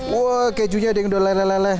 woh kejunya ada yang udah leleh leleh